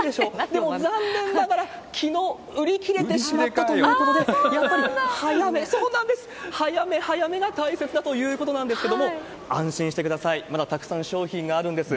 でも残念ながら、きのう売れ切れてしまったということで、でも、早め早めが大切だということなんですけれども、安心してください、まだたくさん商品があるんです。